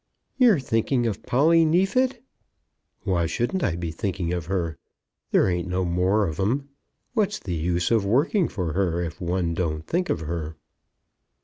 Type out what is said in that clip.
"You're thinking of Polly, Neefit?" "Why shouldn't I be thinking of her? There ain't no more of 'em. What's the use of working for her, if one don't think of her?"